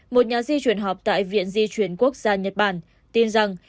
một nhà di chuyển học tại viện di chuyển quốc gia nhật bản tin rằng